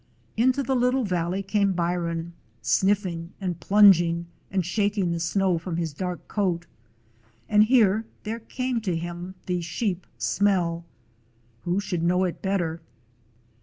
Into the little valley came Byron, sniffing and plunging and shaking the snow from his dark coat, and here there came to him the sheep smell; who should know it better?